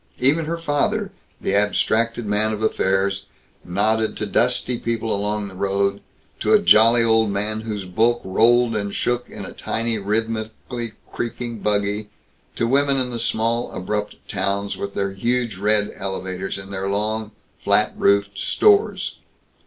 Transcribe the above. Even her father, the abstracted man of affairs, nodded to dusty people along the road; to a jolly old man whose bulk rolled and shook in a tiny, rhythmically creaking buggy, to women in the small abrupt towns with their huge red elevators and their long, flat roofed stores.